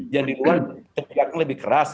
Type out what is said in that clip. yang di luar tepiannya lebih keras